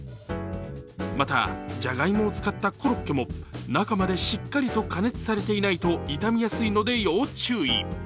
また、じゃがいもを使ったコロッケも中までしっかりと加熱されていないと傷みやすいので要注意。